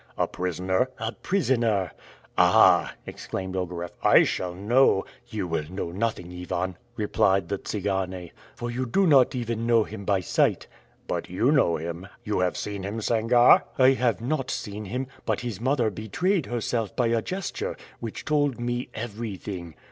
"A prisoner?" "A prisoner." "Ah!" exclaimed Ogareff, "I shall know " "You will know nothing, Ivan," replied Tsigane; "for you do not even know him by sight." "But you know him; you have seen him, Sangarre?" "I have not seen him; but his mother betrayed herself by a gesture, which told me everything."